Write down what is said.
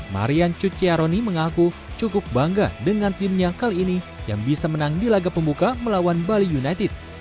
marian cuciaroni mengaku cukup bangga dengan timnya kali ini yang bisa menang di laga pembuka melawan bali united